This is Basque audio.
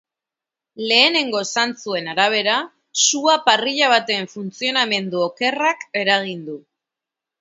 Lehenengo zantzuen arabera, sua parrilla baten funtzionamendu okerrak eragin du.